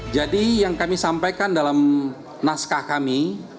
jadi yang kami sampaikan dalam naskah kami